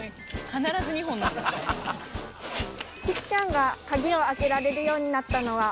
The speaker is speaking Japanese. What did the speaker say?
キキちゃんが鍵を開けられるようになったのは